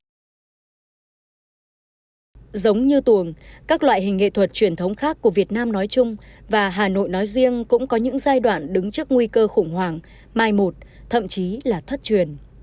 giống như tuồng các loại hình nghệ thuật truyền thống khác của việt nam nói chung và hà nội nói riêng cũng có những giai đoạn đứng trước nguy cơ khủng hoảng mai một thậm chí là thất truyền